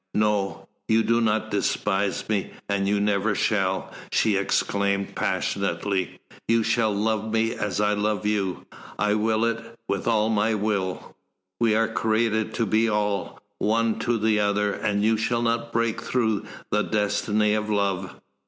"No you do not despise me, and you never shall!" she exclaimed passionately. "You shall love me, as I love you I will it, with all my will! We are created to be all, one to the other, and you shall not break through the destiny of love.